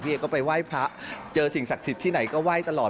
ก็ไปไหว้พระเจอสิ่งศักดิ์สิทธิ์ที่ไหนก็ไหว้ตลอด